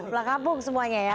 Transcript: belakang pung semuanya ya